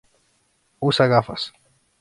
Usa gafas.